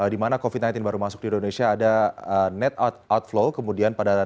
di mana covid sembilan belas baru masuk di indonesia ada net outflow kemudian pada